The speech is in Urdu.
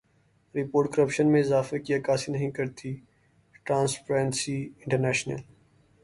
رپورٹ کرپشن میں اضافے کی عکاسی نہیں کرتی ٹرانسپیرنسی انٹرنیشنل